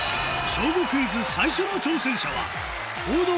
『小５クイズ』最初の挑戦者は報道